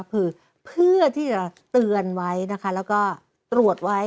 คือเพื่อที่จะเตือนไว้นะคะแล้วก็ตรวจไว้